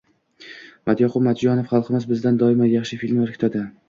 Matyoqub Matchonov: xalqimiz bizdan doimo yaxshi filmlar kutadi